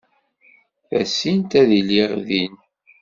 Tasint ad iliɣ din.